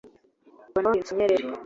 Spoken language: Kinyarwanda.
Abona wahindutse urunyenyeri!